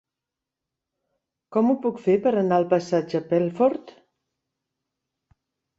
Com ho puc fer per anar al passatge Pelfort?